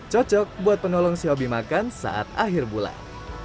cocok buat penolong si hobi makan saat akhir bulan